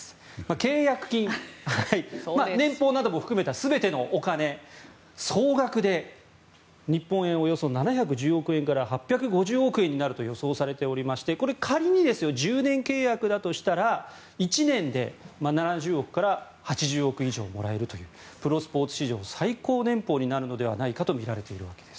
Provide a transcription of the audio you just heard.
契約金年俸なども含めた全てのお金総額で日本円およそ７１０億円から８５０億円になると予想されておりましてこれ、仮に１０年契約だとしたら１年で７０億円から８０億円以上もらえるというプロスポーツ史上最高年俸になるのではないかとみられているわけです。